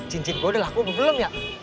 cincit gua udah laku belum belum ya